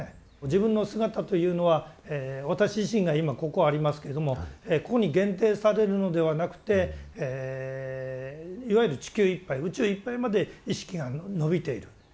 自分の姿というのは私自身が今ここありますけどもここに限定されるのではなくていわゆる地球いっぱい宇宙いっぱいまで意識がのびている。